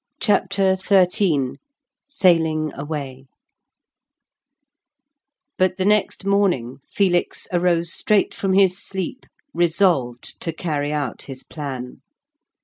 CHAPTER XIII SAILING AWAY But the next morning Felix arose straight from his sleep resolved to carry out his plan.